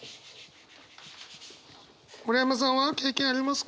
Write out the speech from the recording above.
村山さんは経験ありますか？